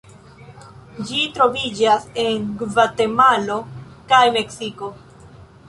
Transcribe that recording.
Ĝi troviĝas en Gvatemalo kaj Meksiko.